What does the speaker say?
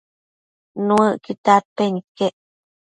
Nuëcquid dadpen iquec